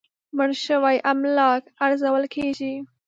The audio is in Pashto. مړ شوي املاک ارزول کېږي.